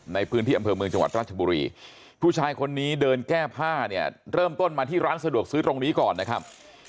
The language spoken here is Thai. ในพื้นที่อำเภอเมืองจังหวัดราชบุรีผู้ชายคนนี้เดินแก้ผ้าเนี่ยเริ่มต้นมาที่ร้านสะดวกซื้อตรงนี้ก่อนนะครับ